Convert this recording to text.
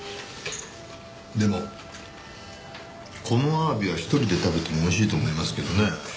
でもこのアワビは一人で食べてもおいしいと思いますけどね。